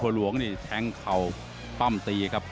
หลวงนี่แทงเข่าปั้มตีครับ